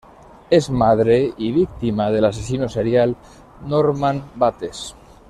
Es madre y víctima del asesino serial Norman Bates.